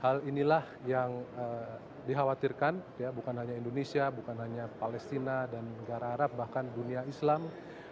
hal inilah yang dikhawatirkan ya bukan hanya indonesia bukan hanya palestina dan negara arab bahkan dunia islam